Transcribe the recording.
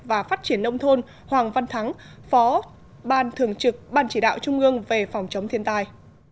và phát triển nông thôn hoàng văn thắng phó ban thường trực ban chỉ đạo trung ương về phòng chống thiên tai